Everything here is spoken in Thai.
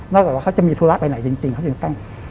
นอกจากว่าเขาจะมีธุระไปไหนจริงเขาจะตั้ง